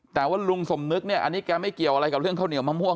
แต่ว่าลุงสมนึกเนี่ยอันนี้แกไม่เกี่ยวอะไรกับเรื่องข้าวเหนียวมะม่วง